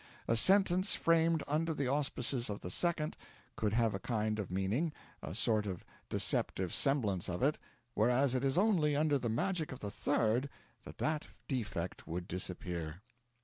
A sentence framed under the auspices of the Second could have a kind of meaning a sort of deceptive semblance of it whereas it is only under the magic of the Third that that defect would disappear.